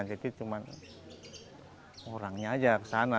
jadi cuma orangnya aja kesana